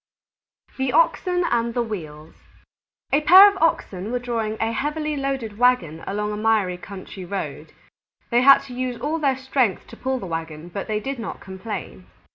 _ THE OXEN AND THE WHEELS A pair of Oxen were drawing a heavily loaded wagon along a miry country road. They had to use all their strength to pull the wagon, but they did not complain.